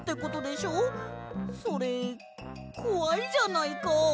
それこわいじゃないか。